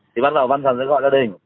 thì bắt đầu văn phòng sẽ gọi gia đình